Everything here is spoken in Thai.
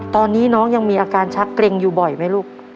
ตอนนี้น้องยังมีอาการชักเกร็งอยู่บ่อยไหมลูก